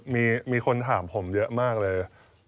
มีคนถามผมเยอะมากเลย